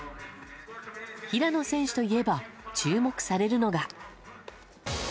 平野選手といえば、注目されるのが。